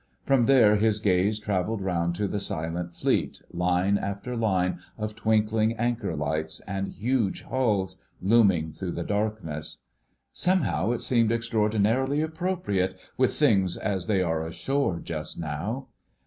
From there his gaze travelled round to the silent Fleet, line after line of twinkling anchor lights and huge hulls looming through the darkness. "Somehow, it seemed extraordinarily appropriate, with things as they are ashore just now."